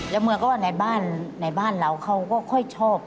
แล้วเมืองก็ว่าในบ้านเราเขาก็ค่อยชอบ